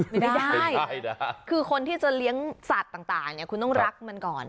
ไม่ได้นะคือคนที่จะเลี้ยงสัตว์ต่างเนี่ยคุณต้องรักมันก่อน